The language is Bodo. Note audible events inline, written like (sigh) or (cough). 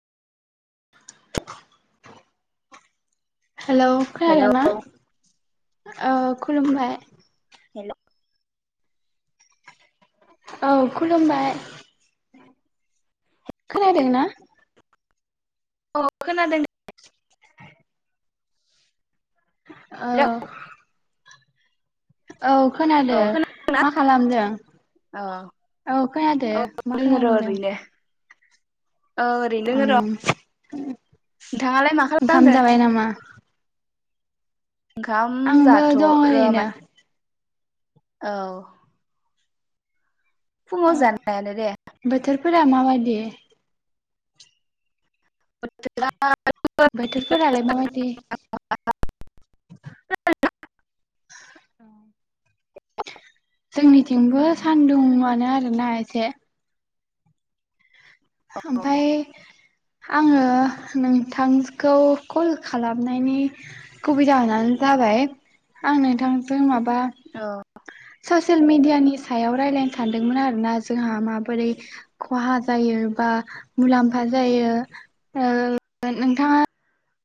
(inaudible) हेलौ हेलौ खोनादों ना ओ खुलुमबाय। हेल' औ खुलुमबाय खोनादोंना? औ खोनादों दे औ हेलौ औ औ खोनादो खोना मा खालामदों औ औ खोनादो मा खालामदों? ओ ओरैनो दोङो र उम नोंथाङालाय मा ओंखाम खालामदो? जाबाय नामा ओंखाम आंबो जाथ ओ दं ओरैनो माने औ फुङाव जानायानो दे। फोरा माबायदि? (unintelligible) बोथोरफोरालाय माबादि? जोंनिथिंबो सान्दुंआनो आरोना एसे ओमफाय आङो नोंथांखौ कल खालामनायनि गुबै जाहोनानो जाबाय आं नोंथांजों माब बा औ सस सियेल मेडियानि सायाव रायलायनो सानदोंमोन आरोना जोंहा माबोरै खहा जायो। बा मुलाम्फा जायो ओ नोंथाङा